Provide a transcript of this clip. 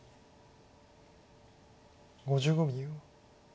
５５秒。